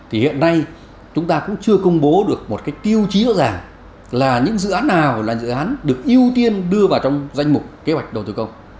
thì hiện nay chúng ta cũng chưa công bố được một cái tiêu chí rõ ràng là những dự án nào là dự án được ưu tiên đưa vào trong danh mục kế hoạch đầu tư công